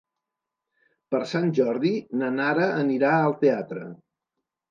Per Sant Jordi na Nara anirà al teatre.